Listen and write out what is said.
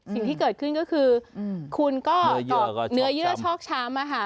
สิ่งที่เกิดขึ้นก็คือคุณก็เนื้อเยื่อชอกช้ำ